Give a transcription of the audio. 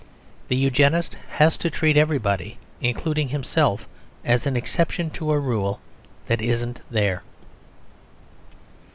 The Eugenist has to treat everybody, including himself, as an exception to a rule that isn't there.